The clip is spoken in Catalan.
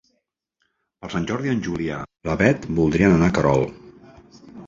Per Sant Jordi en Julià i na Beth voldrien anar a Querol.